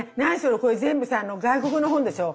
これ全部さ外国の本でしょう。